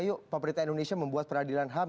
yuk pemerintah indonesia membuat peradilan ham